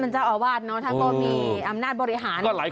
เจ้าอาวาจท่านก็มีอำนาจบริหารให้ในวัดแหละ